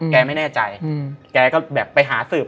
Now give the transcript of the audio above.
แกไม่แน่ใจแกก็แบบไปหาสืบ